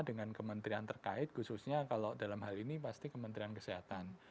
dengan kementerian terkait khususnya kalau dalam hal ini pasti kementerian kesehatan